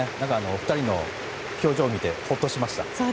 ２人の表情を見てホッとしました。